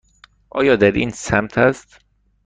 آیا در این سمت است؟